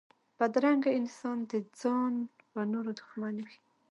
بدرنګه انسان د ځان و نورو دښمن وي